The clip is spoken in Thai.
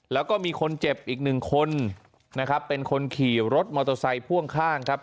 แล้วก็มีคนเจ็บอีกหนึ่งคนนะครับเป็นคนขี่รถมอเตอร์ไซค์พ่วงข้างครับ